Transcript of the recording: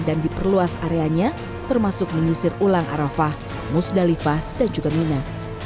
dan diperluas areanya termasuk mengisir ulang arafah musdalifah dan juga mina